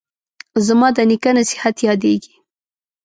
زما د نیکه نصیحت یادیږي